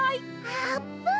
あーぷん！